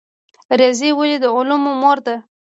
ریاضي ولې د علومو مور ده؟